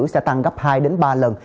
sẽ tăng gấp hai đến ba lần